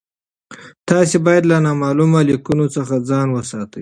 تاسي باید له نامعلومو لینکونو څخه ځان وساتئ.